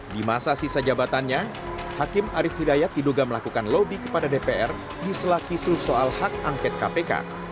di masa sisa jabatannya hakim arief hidayat diduga melakukan lobby kepada dpr di selaki seluruh soal hak angket kpk